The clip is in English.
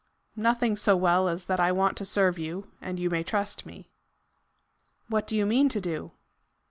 "Nothing so well as that I want to serve you, and you may trust me." "What do you mean to do?"